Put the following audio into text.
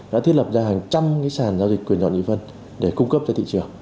đã thiết lập ra hàng trăm cái sàn giao dịch quyền dọn y phân để cung cấp cho thị trường